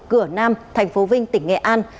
cửa nam tp vinh tỉnh nghệ an